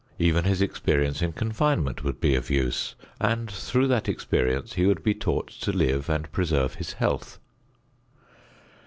Even his experience in confinement would be of use, and through that experience he would be taught to live and preserve his health.